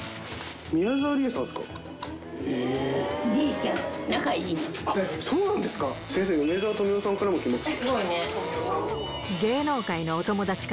宮沢りえさんですか？